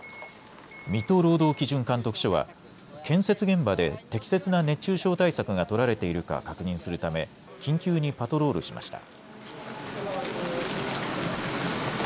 水戸労働基準監督署は、建設現場で、適切な熱中症対策が取られているか確認するため、緊急にパトロールしました。